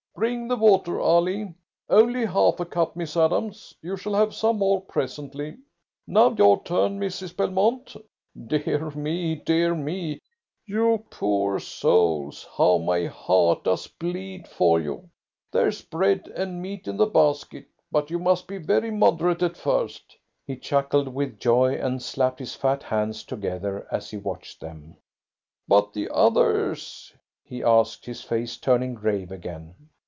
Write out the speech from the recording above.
Bring the water, Ali! Only half a cup, Miss Adams; you shall have some more presently. Now your turn, Mrs. Belmont! Dear me, dear me, you poor souls, how my heart does bleed for you! There's bread and meat in the basket, but you must be very moderate at first." He chuckled with joy, and slapped his fat hands together as he watched them. "But the others?" he asked, his face turning grave again.